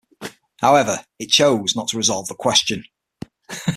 However, it chose not to resolve the question.